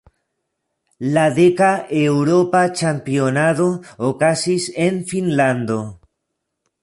La deka eŭropa ĉampionado okazis en Finnlando.